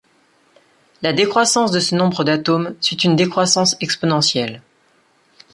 La décroissance de ce nombre d’atomes suit une décroissance exponentielle.